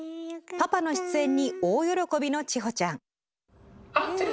パパの出演に大喜びの千穂ちゃん。